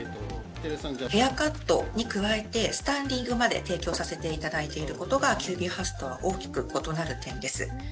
ヘアカットに加えて、スタイリングまで提供させていただいていることが、ＱＢＨＯＵＳＥとは大きく異なる点です。